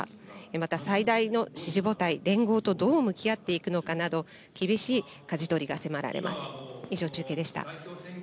また、最大の支持母体、連合とどう向き合っていくのかなど、厳しいかじ取りが迫られます。